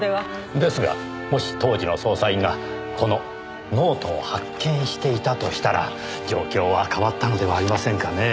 ですがもし当時の捜査員がこのノートを発見していたとしたら状況は変わったのではありませんかね？